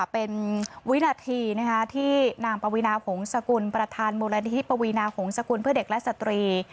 เป็นวินาทีที่นางปวีนาหงษกุลประธานมูลนิธิปวีนาหงษกุลเพื่อเด็กและสตรี